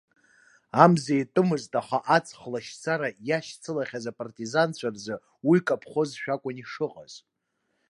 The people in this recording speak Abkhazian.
Амза иатәымызт, аха аҵх лашьцара иашьцылахьаз апартизанцәа рзы уи каԥхозшәа акәын ишыҟаз.